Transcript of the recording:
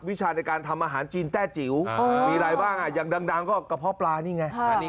วิชาในการทำอาหารจีนแต้จิ๋วมีอะไรบ้างอย่างดังก็กระเพาะปลานี่ไง